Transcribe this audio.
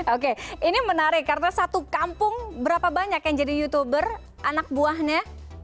oke ini menarik karena satu kampung berapa banyak yang jadi youtuber anak buahnya